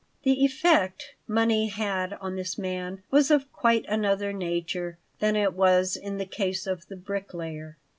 The effect money had on this man was of quite another nature than it was in the case of the bricklayer.